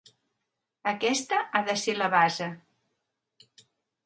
Aquesta ha de ser la base.